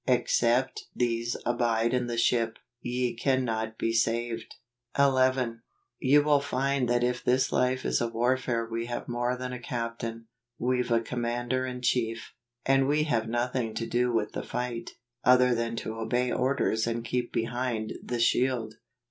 " Except these abide in the ship , ye cannot be saved." AUGUST. SO 11. You will find that if this life is a warfare we have more than a Captain — we've a Commander in chief, and we have nothing to do with the fight, other than to obey orders and keep behind the shield.